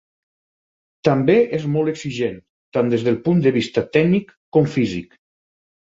També és molt exigent, tant des del punt de vista tècnic com físic.